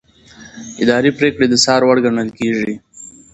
اداري پریکړې د څار وړ ګڼل کېږي.